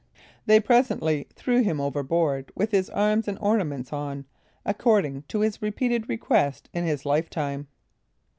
They presently threw him overboard, with his arms and ornaments on, according to his repeated request in his life time.